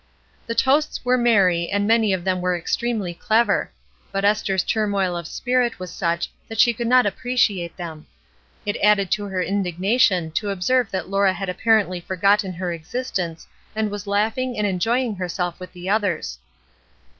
The toasts were merry, and many of them were extremely clever; but Esther's turmoil of spirit was such that she could not appreciate them. It added to her indignation to observe that Laura had apparently forgotten her exist ence and was laughing and enjoying herself with the others.